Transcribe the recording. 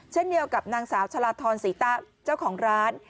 เช่นเดียวกับนางสาวชะลาทรศรีตะเจ้าของร้าน